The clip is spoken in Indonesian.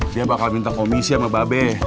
dia bakal minta komisi sama mba be